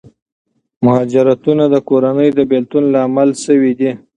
مهاجرتونه د کورنیو د بېلتون لامل شوي دي.